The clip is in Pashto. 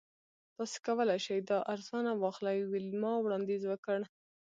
تاسو کولی شئ دا ارزانه واخلئ ویلما وړاندیز وکړ